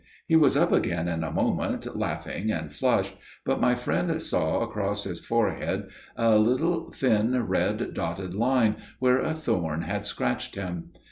He was up again in a moment laughing and flushed, but my friend saw across his forehead a little thin red dotted line where a thorn had scratched him.